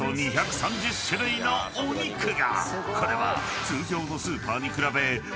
［これは］